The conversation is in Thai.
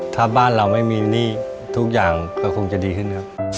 ถ้าบ้านเราไม่มีหนี้ทุกอย่างก็คงจะดีขึ้นครับ